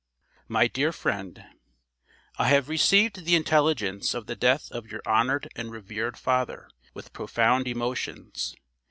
MY DEAR FRIEND: I have received the intelligence of the death of your honored and revered father, with profound emotions.